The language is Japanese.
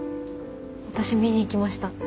私見に行きました。